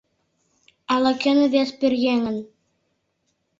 — Ала-кӧн вес пӧръеҥын.